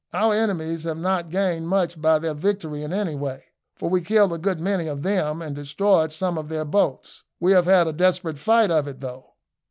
Our enemies have not gained much by their victory in any way, for we killed a good many of them, and destroyed some of their boats. We have had a desperate fight of it, though."